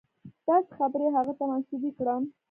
داسې خبرې هغه ته منسوبې کړم.